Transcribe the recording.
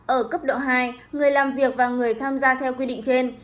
ở cấp độ hai người làm việc và người tham gia theo quy định trên